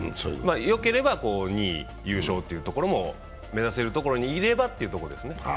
よければ２位、優勝も目指せるところにいればということですね。